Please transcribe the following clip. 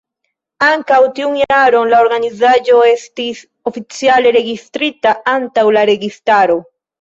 Ankaŭ tiun jaron la organizaĵo estis oficiale registrita antaŭ la registaro.